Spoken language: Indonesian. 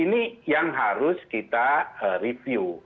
ini yang harus kita review